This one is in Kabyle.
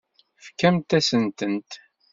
Tefkamt-asen-tent.